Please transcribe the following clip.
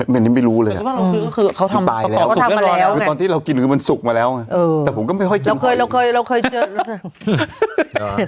ไม่รู้เลยตอนที่เรากินมันสุกมาแล้วแต่ผมก็ไม่ค่อยกินหอย